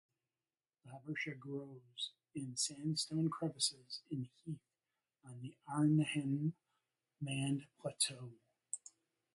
This hibbertia grows in sandstone crevices in heath on the Arnhem Land Plateau.